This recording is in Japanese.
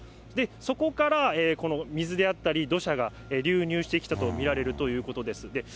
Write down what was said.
そこから水であったり、土砂が流入してきたと見られるということです。